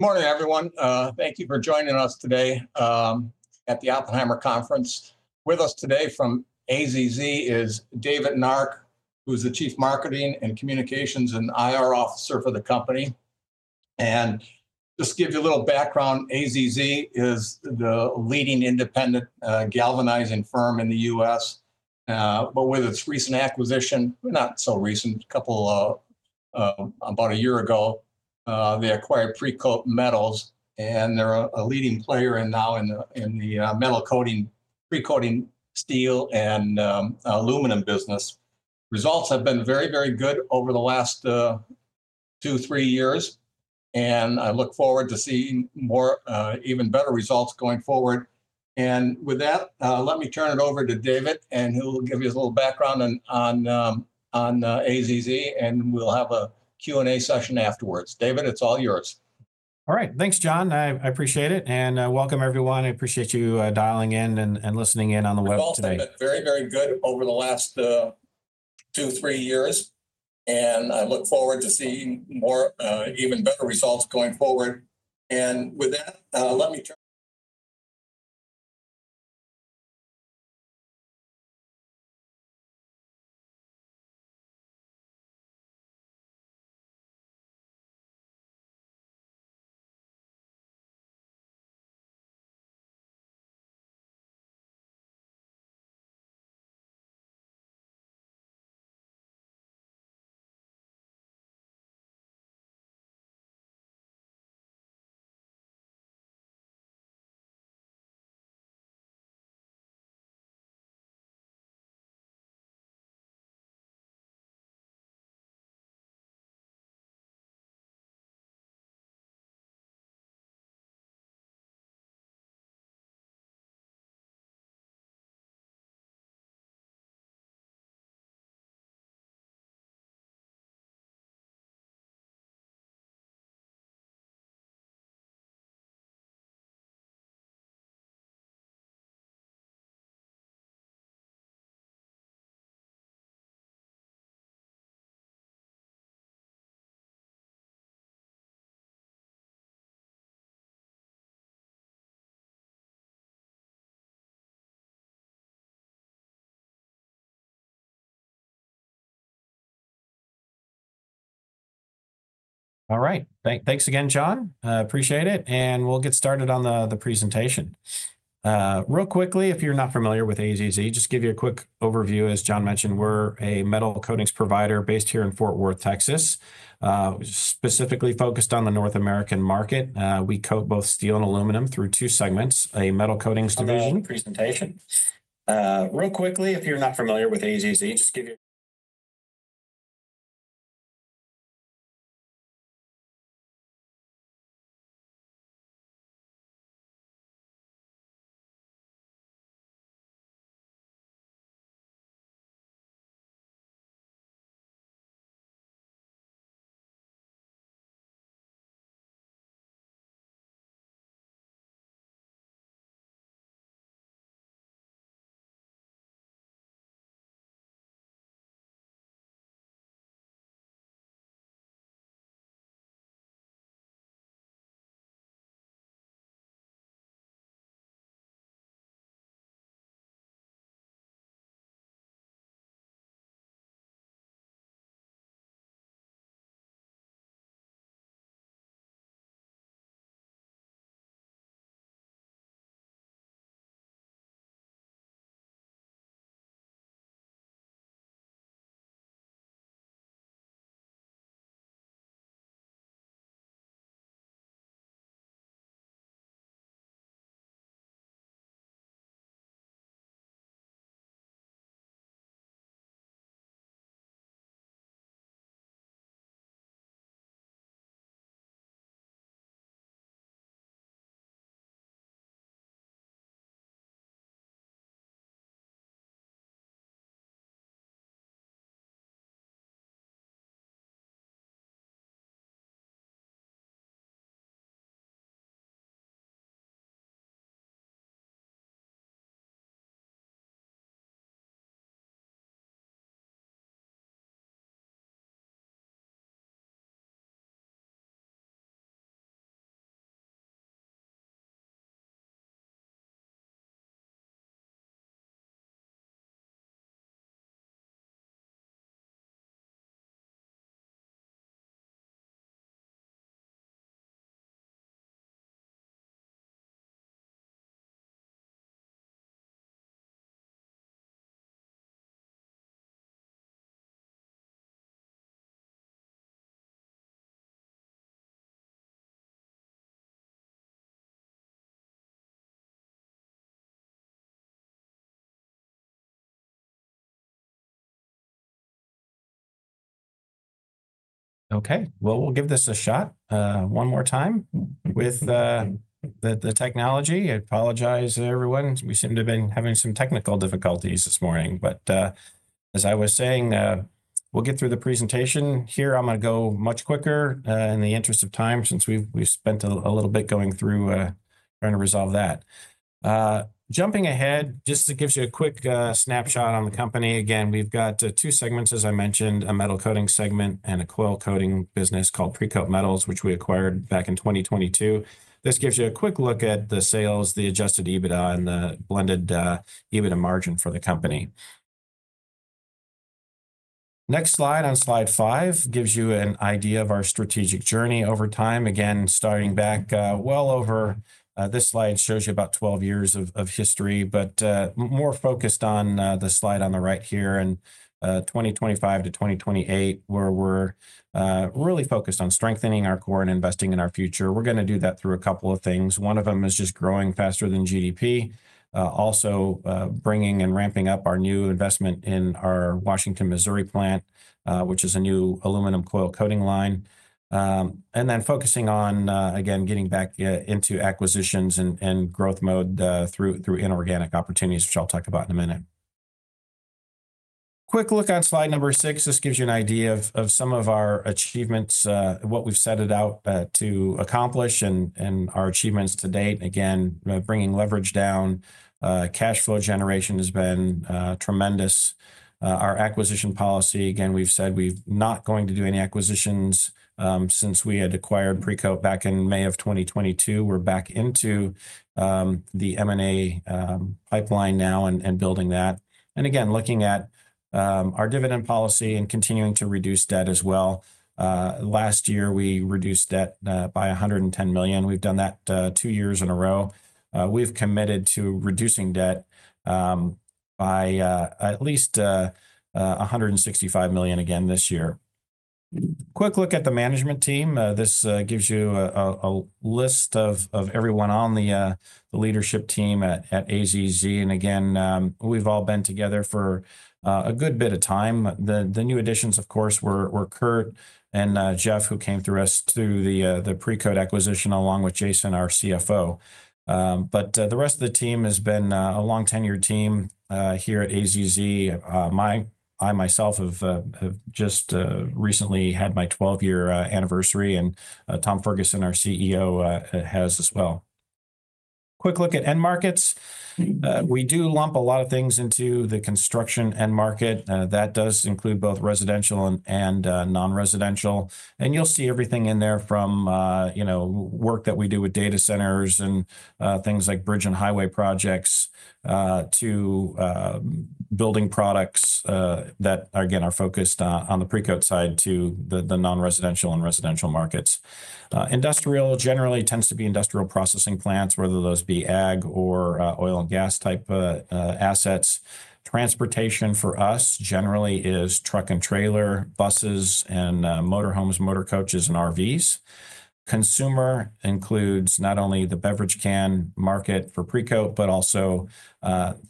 Good morning, everyone. Thank you for joining us today at the Oppenheimer Conference. With us today from AZZ is David Nark, who is the Chief Marketing, Communications, and Investor Relations Officer for the company. Just to give you a little background, AZZ is the leading independent galvanizing firm in the U.S., but with its recent acquisition, not so recent, a couple of about a year ago, they acquired Precoat Metals, and they are a leading player now in the metal coating, pre-coating steel and aluminum business. Results have been very, very good over the last two, three years, and I look forward to seeing even better results going forward. With that, let me turn it over to David, and he will give you a little background on AZZ, and we will have a Q&A session afterwards. David, it is all yours. All right, thanks, John. I appreciate it. I appreciate you dialing in and listening in on the web today. It has been very, very good over the last two, three years, and I look forward to seeing even better results going forward. With that, let me turn. All right, thanks again, John. I appreciate it. We'll get started on the presentation. Real quickly, if you're not familiar with AZZ, just to give you a quick overview, as John mentioned, we're a metal coatings provider based here in Fort Worth, Texas, specifically focused on the North American market. We coat both steel and aluminum through two segments, a metal coatings division. Lovely presentation. Real quickly, if you're not familiar with AZZ, just give you. Okay, we'll give this a shot one more time with the technology. I apologize, everyone. We seem to have been having some technical difficulties this morning, but as I was saying, we'll get through the presentation here. I'm going to go much quicker in the interest of time since we've spent a little bit going through trying to resolve that. Jumping ahead, just to give you a quick snapshot on the company. Again, we've got two segments, as I mentioned, a metal coating segment and a coil coating business called Precoat Metals, which we acquired back in 2022. This gives you a quick look at the sales, the adjusted EBITDA, and the blended EBITDA margin for the company. Next slide, on slide five, gives you an idea of our strategic journey over time. Again, starting back well over, this slide shows you about 12 years of history, but more focused on the slide on the right here in 2025 to 2028, where we're really focused on strengthening our core and investing in our future. We're going to do that through a couple of things. One of them is just growing faster than GDP, also bringing and ramping up our new investment in our Washington, Missouri plant, which is a new aluminum coil coating line. Then focusing on, again, getting back into acquisitions and growth mode through inorganic opportunities, which I'll talk about in a minute. Quick look on slide number six. This gives you an idea of some of our achievements, what we've set it out to accomplish and our achievements to date. Again, bringing leverage down, cash flow generation has been tremendous. Our acquisition policy, again, we've said we're not going to do any acquisitions since we had acquired Precoat back in May of 2022. We're back into the M&A pipeline now and building that. Again, looking at our dividend policy and continuing to reduce debt as well. Last year, we reduced debt by $110 million. We've done that two years in a row. We've committed to reducing debt by at least $165 million again this year. Quick look at the management team. This gives you a list of everyone on the leadership team at AZZ. Again, we've all been together for a good bit of time. The new additions, of course, were Kurt and Jeff, who came to us through the Precoat acquisition, along with Jason, our CFO. The rest of the team has been a long-tenured team here at AZZ. I myself have just recently had my 12-year anniversary, and Tom Ferguson, our CEO, has as well. Quick look at end markets. We do lump a lot of things into the construction end market. That does include both residential and non-residential. You will see everything in there from work that we do with data centers and things like bridge and highway projects to building products that, again, are focused on the Precoat side to the non-residential and residential markets. Industrial generally tends to be industrial processing plants, whether those be ag or oil and gas type assets. Transportation for us generally is truck and trailer, buses, and motorhomes, motor coaches, and RVs. Consumer includes not only the beverage can market for Precoat, but also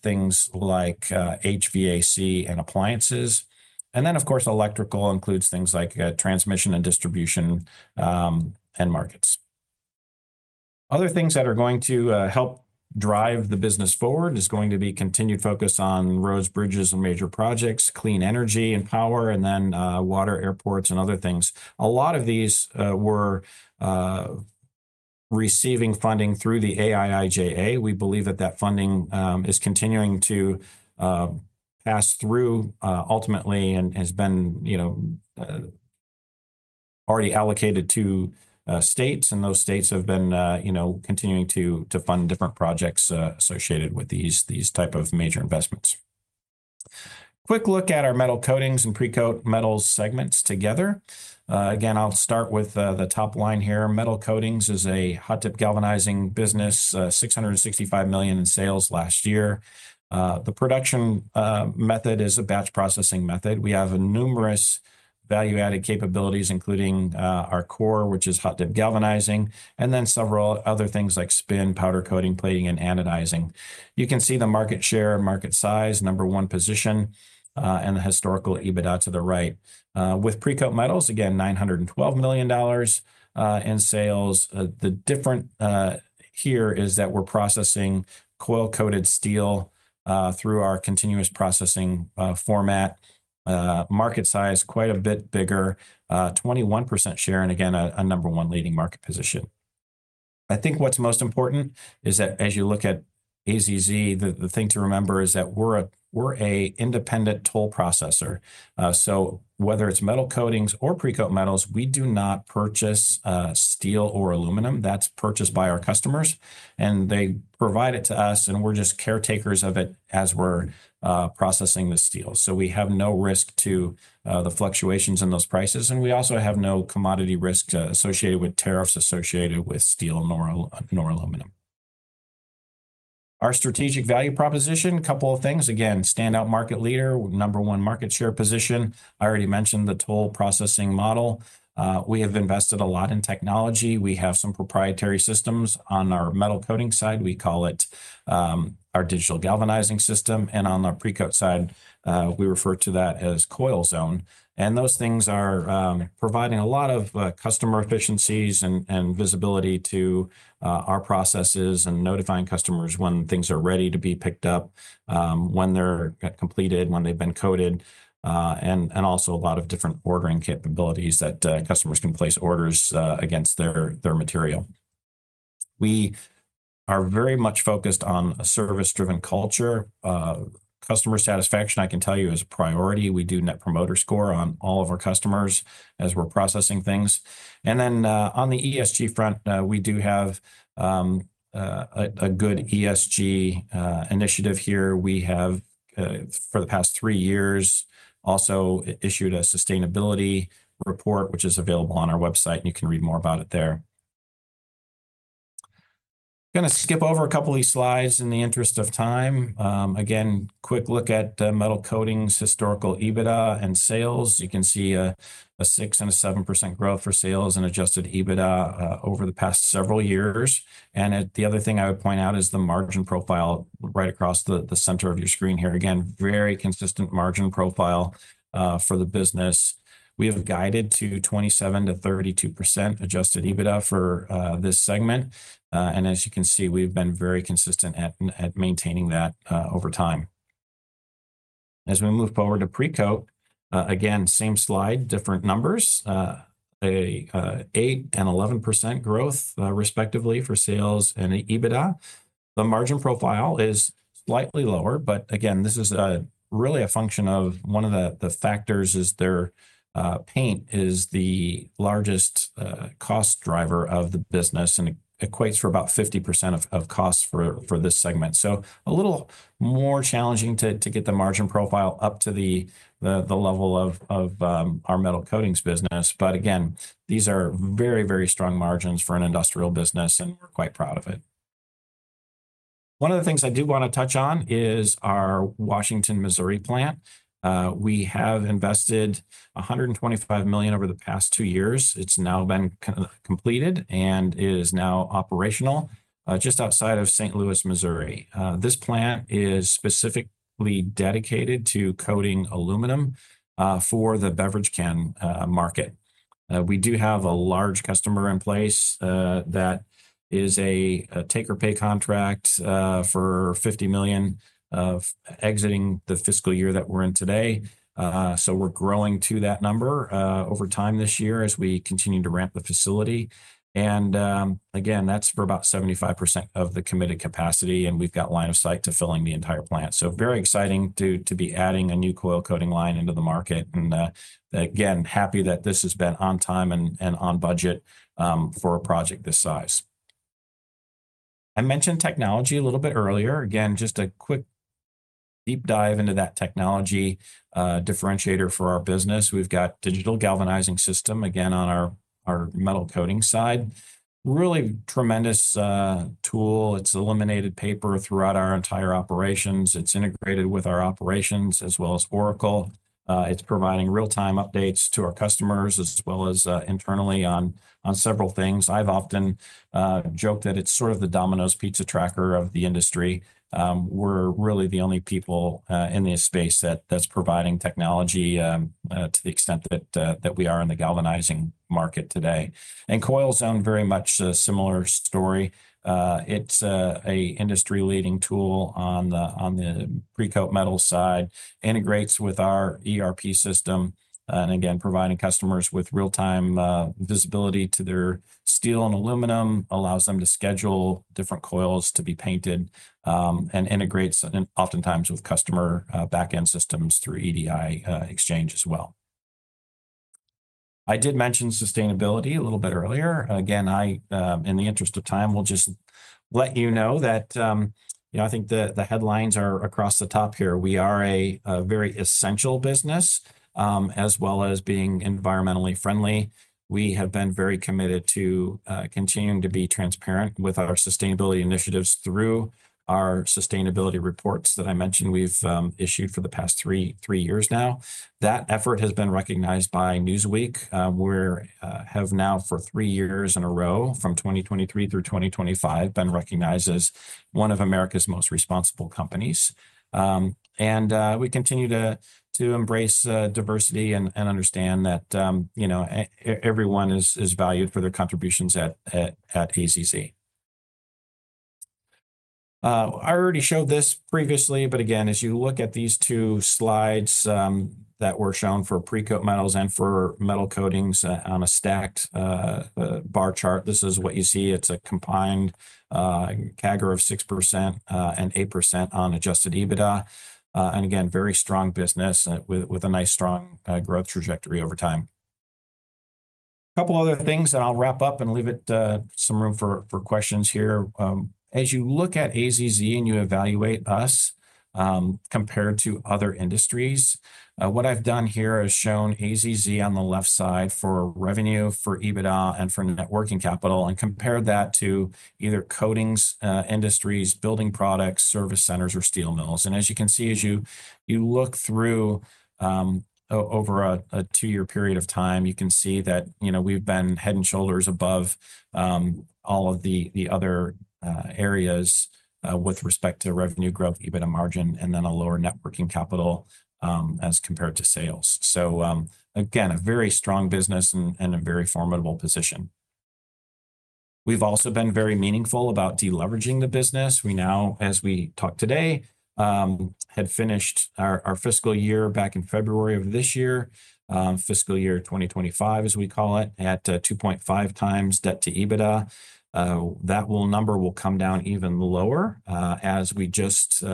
things like HVAC and appliances. Of course, electrical includes things like transmission and distribution end markets. Other things that are going to help drive the business forward is going to be continued focus on roads, bridges, and major projects, clean energy and power, and then water, airports, and other things. A lot of these were receiving funding through the AIIJA. We believe that that funding is continuing to pass through ultimately and has been already allocated to states, and those states have been continuing to fund different projects associated with these type of major investments. Quick look at our metal coatings and Precoat Metals segments together. Again, I'll start with the top line here. Metal coatings is a hot-dip galvanizing business, $665 million in sales last year. The production method is a batch processing method. We have numerous value-added capabilities, including our core, which is hot-dip galvanizing, and then several other things like spin, powder coating, plating, and anodizing. You can see the market share, market size, number one position, and the historical EBITDA to the right. With Precoat Metals, again, $912 million in sales. The difference here is that we're processing coil-coated steel through our continuous processing format. Market size quite a bit bigger, 21% share, and again, a number one leading market position. I think what's most important is that as you look at AZZ, the thing to remember is that we're an independent toll processor. Whether it's metal coatings or Precoat Metals, we do not purchase steel or aluminum. That's purchased by our customers, and they provide it to us, and we're just caretakers of it as we're processing the steel. We have no risk to the fluctuations in those prices, and we also have no commodity risk associated with tariffs associated with steel nor aluminum. Our strategic value proposition, a couple of things. Again, standout market leader, number one market share position. I already mentioned the toll processing model. We have invested a lot in technology. We have some proprietary systems on our metal coating side. We call it our Digital Galvanizing System. On the Precoat side, we refer to that as Coil Zone. Those things are providing a lot of customer efficiencies and visibility to our processes and notifying customers when things are ready to be picked up, when they are completed, when they have been coated, and also a lot of different ordering capabilities that customers can place orders against their material. We are very much focused on a service-driven culture. Customer satisfaction, I can tell you, is a priority. We do Net Promoter Score on all of our customers as we are processing things. On the ESG front, we do have a good ESG initiative here. We have, for the past three years, also issued a sustainability report, which is available on our website, and you can read more about it there. Going to skip over a couple of slides in the interest of time. Again, quick look at metal coatings, historical EBITDA, and sales. You can see a 6% and a 7% growth for sales and adjusted EBITDA over the past several years. The other thing I would point out is the margin profile right across the center of your screen here. Again, very consistent margin profile for the business. We have guided to 27%-32% adjusted EBITDA for this segment. As you can see, we've been very consistent at maintaining that over time. As we move forward to Precoat, again, same slide, different numbers, 8% and 11% growth respectively for sales and EBITDA. The margin profile is slightly lower, but again, this is really a function of one of the factors is their paint is the largest cost driver of the business and equates for about 50% of costs for this segment. A little more challenging to get the margin profile up to the level of our metal coatings business. Again, these are very, very strong margins for an industrial business, and we're quite proud of it. One of the things I do want to touch on is our Washington, Missouri plant. We have invested $125 million over the past two years. It's now been completed and is now operational just outside of St. Louis, Missouri. This plant is specifically dedicated to coating aluminum for the beverage can market. We do have a large customer in place that is a take-or-pay contract for $50 million exiting the fiscal year that we're in today. We are growing to that number over time this year as we continue to ramp the facility. Again, that's for about 75% of the committed capacity, and we've got line of sight to filling the entire plant. Very exciting to be adding a new coil coating line into the market. Again, happy that this has been on time and on budget for a project this size. I mentioned technology a little bit earlier. Again, just a quick deep dive into that technology differentiator for our business. We've got Digital Galvanizing System, again, on our metal coating side. Really tremendous tool. It's eliminated paper throughout our entire operations. It's integrated with our operations as well as Oracle. It's providing real-time updates to our customers as well as internally on several things. I've often joked that it's sort of the Domino's pizza tracker of the industry. We're really the only people in this space that's providing technology to the extent that we are in the galvanizing market today. Coil Zone, very much a similar story. It's an industry-leading tool on the Precoat Metals side. Integrates with our ERP system and again, providing customers with real-time visibility to their steel and aluminum, allows them to schedule different coils to be painted and integrates oftentimes with customer back-end systems through EDI exchange as well. I did mention sustainability a little bit earlier. Again, in the interest of time, we'll just let you know that I think the headlines are across the top here. We are a very essential business as well as being environmentally friendly. We have been very committed to continuing to be transparent with our sustainability initiatives through our sustainability reports that I mentioned we've issued for the past three years now. That effort has been recognized by Newsweek. We have now, for three years in a row, from 2023 through 2025, been recognized as one of America's most responsible companies. We continue to embrace diversity and understand that everyone is valued for their contributions at AZZ. I already showed this previously, but again, as you look at these two slides that were shown for Precoat Metals and for metal coatings on a stacked bar chart, this is what you see. It's a combined CAGR of 6% and 8% on adjusted EBITDA. Again, very strong business with a nice strong growth trajectory over time. A couple of other things, and I'll wrap up and leave some room for questions here. As you look at AZZ and you evaluate us compared to other industries, what I've done here has shown AZZ on the left side for revenue, for EBITDA, and for networking capital, and compared that to either coatings industries, building products, service centers, or steel mills. As you can see, as you look through over a two-year period of time, you can see that we've been head and shoulders above all of the other areas with respect to revenue growth, EBITDA margin, and then a lower networking capital as compared to sales. Again, a very strong business and a very formidable position. We've also been very meaningful about deleveraging the business. We now, as we talk today, had finished our fiscal year back in February of this year, fiscal year 2025, as we call it, at 2.5 times debt to EBITDA. That number will come down even lower as we just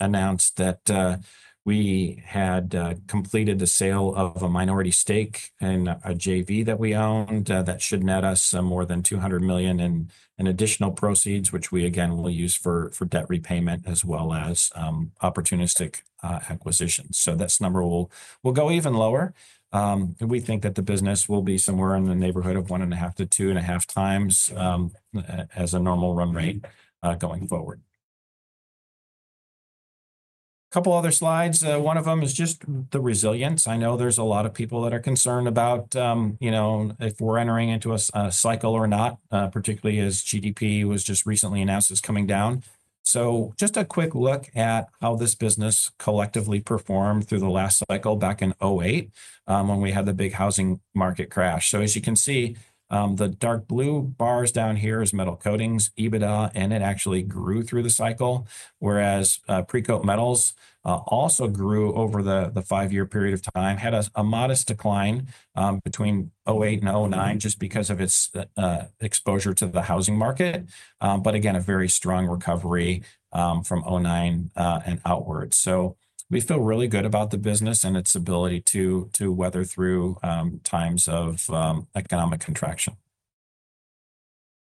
announced that we had completed the sale of a minority stake in a JV that we owned that should net us more than $200 million in additional proceeds, which we, again, will use for debt repayment as well as opportunistic acquisitions. That number will go even lower. We think that the business will be somewhere in the neighborhood of one and a half to two and a half times as a normal run rate going forward. A couple of other slides. One of them is just the resilience. I know there are a lot of people that are concerned about if we are entering into a cycle or not, particularly as GDP was just recently announced as coming down. Just a quick look at how this business collectively performed through the last cycle back in 2008 when we had the big housing market crash. As you can see, the dark blue bars down here is metal coatings, EBITDA, and it actually grew through the cycle, whereas Precoat Metals also grew over the five-year period of time, had a modest decline between 2008 and 2009 just because of its exposure to the housing market, but again, a very strong recovery from 2009 and outwards. We feel really good about the business and its ability to weather through times of economic contraction.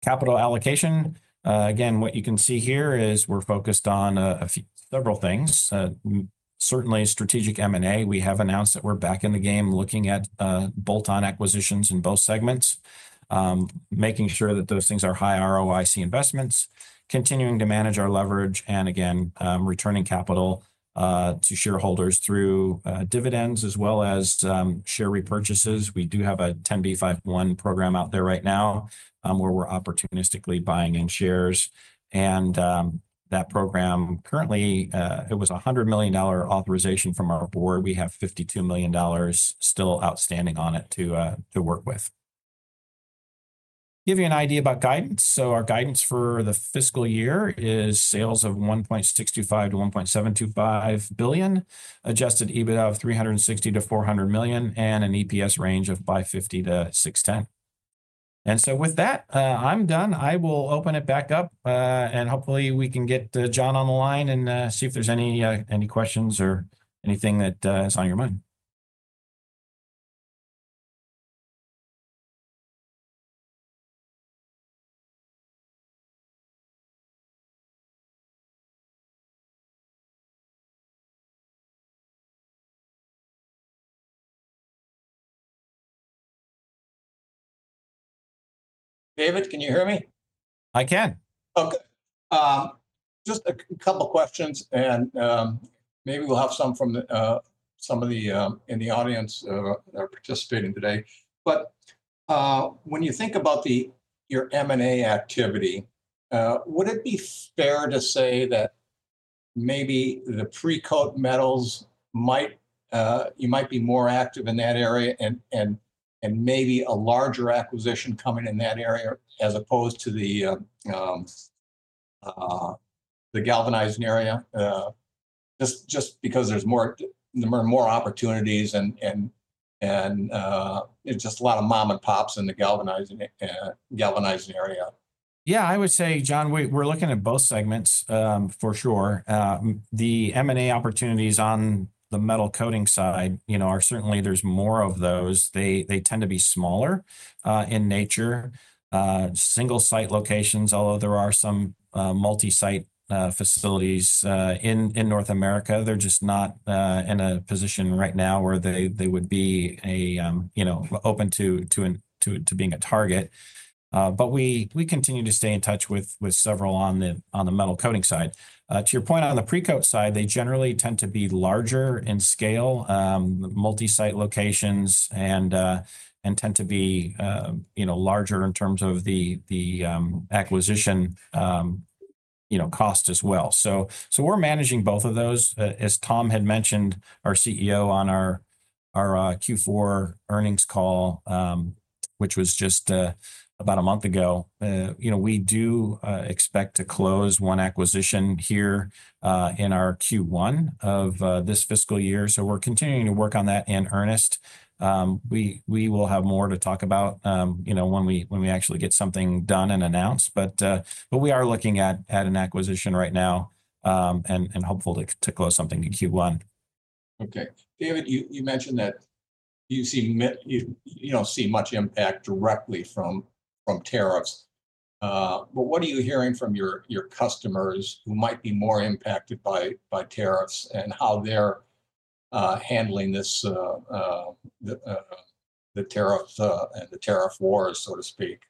Capital allocation, again, what you can see here is we're focused on several things. Certainly, strategic M&A. We have announced that we're back in the game looking at bolt-on acquisitions in both segments, making sure that those things are high ROIC investments, continuing to manage our leverage, and again, returning capital to shareholders through dividends as well as share repurchases. We do have a 10b5-1 program out there right now where we're opportunistically buying in shares. That program, currently, it was a $100 million authorization from our board. We have $52 million still outstanding on it to work with. Give you an idea about guidance. Our guidance for the fiscal year is sales of $1.625 billion-$1.725 billion, adjusted EBITDA of $360 million-$400 million, and an EPS range of $5.50-$6.10. With that, I'm done. I will open it back up, and hopefully, we can get John on the line and see if there's any questions or anything that's on your mind. David, can you hear me? I can. Okay. Just a couple of questions, and maybe we'll have some from some of the in the audience that are participating today. When you think about your M&A activity, would it be fair to say that maybe the Precoat Metals might, you might be more active in that area and maybe a larger acquisition coming in that area as opposed to the galvanizing area just because there's more opportunities and just a lot of mom-and-pops in the galvanizing area? Yeah, I would say, John, we're looking at both segments for sure. The M&A opportunities on the metal coating side are certainly, there's more of those. They tend to be smaller in nature. Single-site locations, although there are some multi-site facilities in North America, they're just not in a position right now where they would be open to being a target. We continue to stay in touch with several on the metal coating side. To your point on the Precoat side, they generally tend to be larger in scale, multi-site locations, and tend to be larger in terms of the acquisition cost as well. We are managing both of those. As Tom had mentioned, our CEO on our Q4 earnings call, which was just about a month ago, we do expect to close one acquisition here in our Q1 of this fiscal year. We are continuing to work on that in earnest. We will have more to talk about when we actually get something done and announced. We are looking at an acquisition right now and hopeful to close something in Q1. Okay. David, you mentioned that you see much impact directly from tariffs. What are you hearing from your customers who might be more impacted by tariffs and how they're handling the tariff war, so to speak?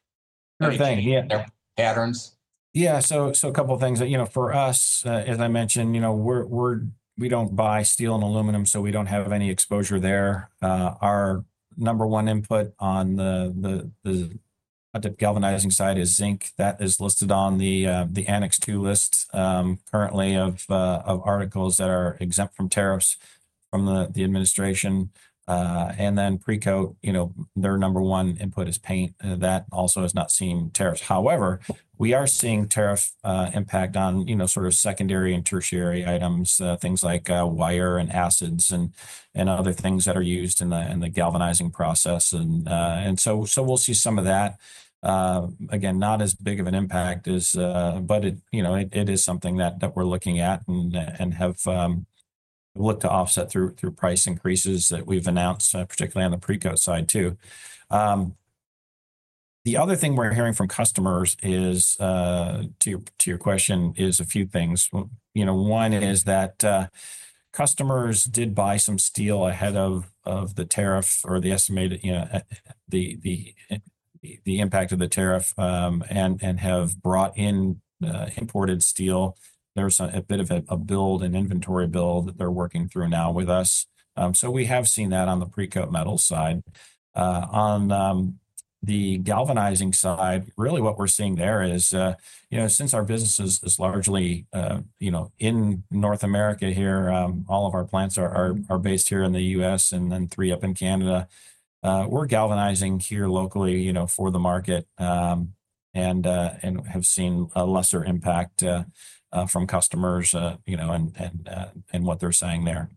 Anything? Patterns? Yeah. A couple of things. For us, as I mentioned, we do not buy steel and aluminum, so we do not have any exposure there. Our number one input on the galvanizing side is zinc. That is listed on the Annex II list currently of articles that are exempt from tariffs from the administration. Precoat, their number one input is paint. That also has not seen tariffs. However, we are seeing tariff impact on sort of secondary and tertiary items, things like wire and acids and other things that are used in the galvanizing process. We will see some of that. Again, not as big of an impact, but it is something that we are looking at and have looked to offset through price increases that we have announced, particularly on the Precoat side, too. The other thing we are hearing from customers is, to your question, is a few things. One is that customers did buy some steel ahead of the tariff or the estimated impact of the tariff and have brought in imported steel. There is a bit of a build, an inventory build that they are working through now with us. We have seen that on the Precoat Metals side. On the galvanizing side, really what we're seeing there is since our business is largely in North America here, all of our plants are based here in the U.S. and then three up in Canada, we're galvanizing here locally for the market and have seen a lesser impact from customers and what they're saying there.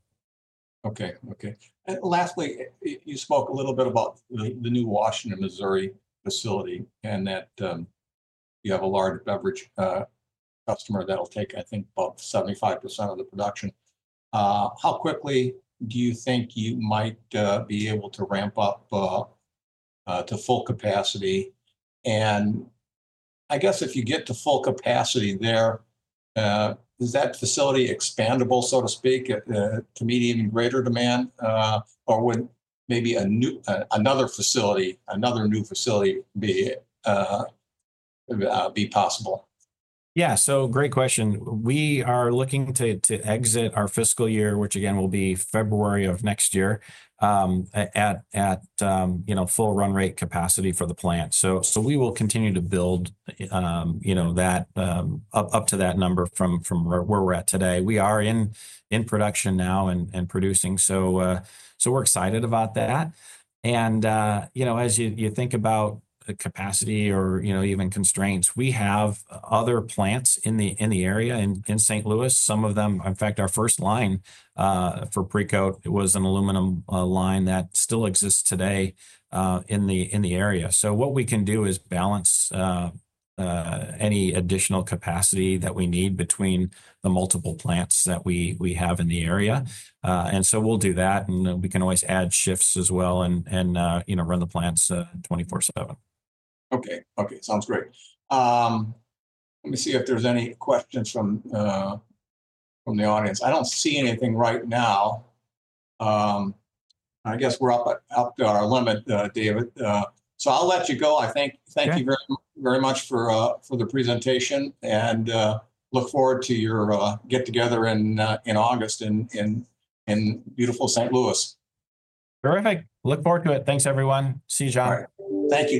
Okay. Okay. Lastly, you spoke a little bit about the new Washington, Missouri facility and that you have a large beverage customer that'll take, I think, about 75% of the production. How quickly do you think you might be able to ramp up to full capacity? And I guess if you get to full capacity there, is that facility expandable, so to speak, to meet even greater demand, or would maybe another facility, another new facility be possible? Yeah. Great question. We are looking to exit our fiscal year, which again will be February of next year, at full run rate capacity for the plant. We will continue to build that up to that number from where we're at today. We are in production now and producing. We are excited about that. As you think about capacity or even constraints, we have other plants in the area in St. Louis. Some of them, in fact, our first line for Precoat was an aluminum line that still exists today in the area. What we can do is balance any additional capacity that we need between the multiple plants that we have in the area. We will do that, and we can always add shifts as well and run the plants 24/7. Okay. Okay. Sounds great. Let me see if there's any questions from the audience. I don't see anything right now. I guess we're up to our limit, David. So I'll let you go. I thank you very much for the presentation and look forward to your get-together in August in beautiful St. Louis. Terrific. Look forward to it. Thanks, everyone. See you, John. Thank you.